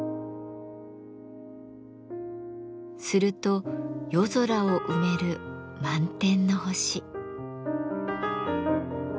すると夜空を埋める満天の星。